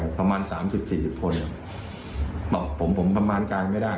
ประมาณสามสิบสี่สิบคนบอกผมผมประมาณการไม่ได้